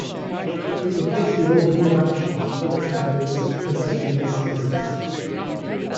It replaced the old real actions as well as the various possessory assizes.